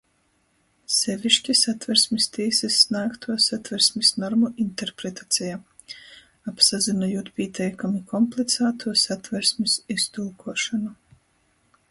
Seviški — Satversmis tīsys snāgtuo Satversmis normu interpretaceja. Apsazynojūt pīteikami komplicātū Satversmis iztulkuošonu,